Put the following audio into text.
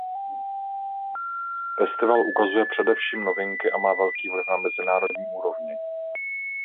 Festival ukazuje především novinky a má velký vliv na mezinárodní úrovni.